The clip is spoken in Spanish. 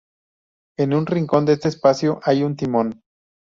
En un rincón de ese espacio hay un timón.